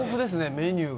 メニューが。